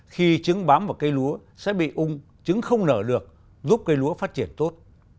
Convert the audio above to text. khi trứng bám vào cây lúa sẽ bị ung chứng không nở được giúp cây lúa phát triển tốt